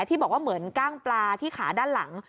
ที่บอกว่าเหมือนกล้างปลาที่ขาด้านหลัง